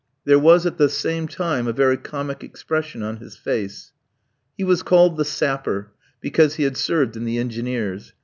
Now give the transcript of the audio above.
There was at the same time a very comic expression on his face. He was called the Sapper, because he had served in the Engineers.